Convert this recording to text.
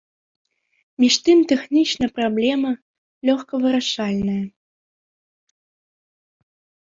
Між тым тэхнічна праблема лёгка вырашальная.